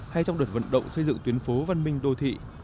hay trong đợt vận động xây dựng tuyến phố văn minh đô thị